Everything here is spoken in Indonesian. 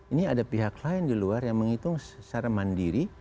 ini ada pihak lain di luar yang menghitung secara mandiri